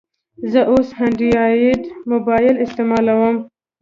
زه اوس انډرایډ موبایل استعمالوم.